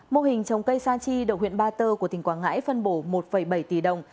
mô hình trồng cây sa chi được huyện ba tơ của tỉnh quảng ngãi phân bổ một bảy tỷ đồng